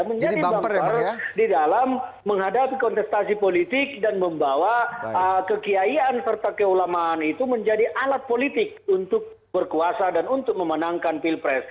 menjadi bumper di dalam menghadapi kontestasi politik dan membawa kekiaian serta keulamaan itu menjadi alat politik untuk berkuasa dan untuk memenangkan pilpres